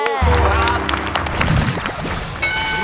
สู้สู้ครับ